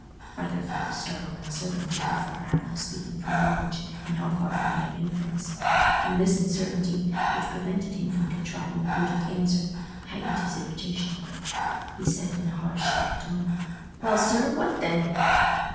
Arthur felt a startled uncertainty how far Adam was speaking from knowledge, and how far from mere inference. And this uncertainty, which prevented him from contriving a prudent answer, heightened his irritation. He said, in a high sharp tone, "Well, sir, what then?"